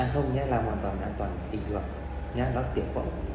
à không nhé làm hoàn toàn an toàn tịnh lập nhé nó tiện phẫu